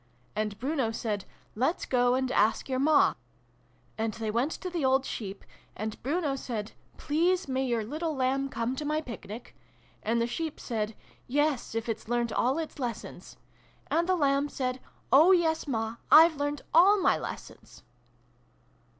' And Bruno said ' Let's go and ask your Ma !' And they went to the old Sheep. And Bruno said ' Please, may your little Lamb come to my Picnic ?' And the Sheep said ' Yes, if it's learnt all its lessons.' And the Lamb said ' Oh yes, Ma ! I've learnt all my lessons